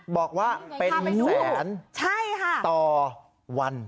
บอกว่าเป็นแสนต่อวัน